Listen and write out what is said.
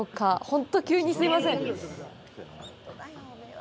ほんと、急にすいません。